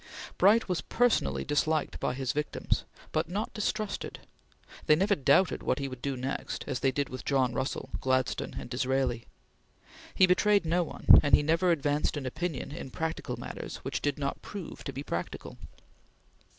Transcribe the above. Bright was personally disliked by his victims, but not distrusted. They never doubted what he would do next, as they did with John Russell, Gladstone, and Disraeli. He betrayed no one, and he never advanced an opinion in practical matters which did not prove to be practical.